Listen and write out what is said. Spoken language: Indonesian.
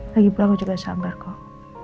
lagipula aku juga sabar kok